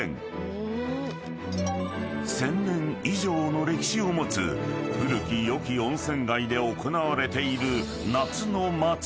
［１，０００年以上の歴史を持つ古きよき温泉街で行われている］